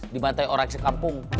dibantai orang sekampung